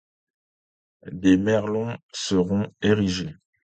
Des merlons seront érigés.